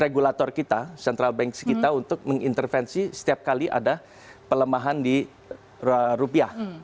regulator kita central banks kita untuk mengintervensi setiap kali ada pelemahan di rupiah